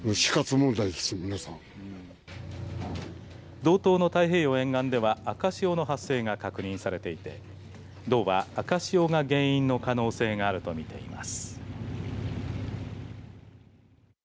道東の太平洋沿岸では赤潮の発生が確認されていて道は赤潮が原因の可能性があるとみています。